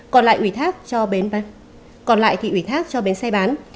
còn lại thì ủy thác cho bến xe bán